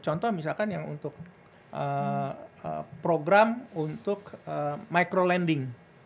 contoh misalkan yang untuk program untuk micro landing